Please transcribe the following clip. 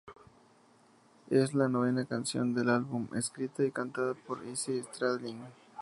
Es la novena canción del álbum, escrita y cantada por Izzy Stradlin.